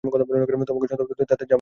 তোমাকেও সন্দেহ, তাতে যে আমাকেই ধিক্কার!